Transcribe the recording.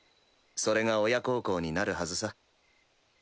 それが親孝行になるはずさ。